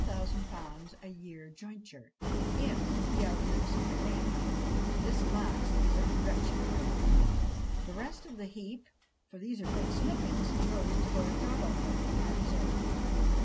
_ a year jointure, if he outlives my lady: this last is a wretched article. The rest of the heap, for these are but snippings, goes to Lord Godolphin, and so on.